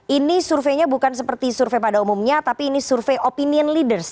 ini surveinya bukan seperti survei pada umumnya tapi ini survei opinion leaders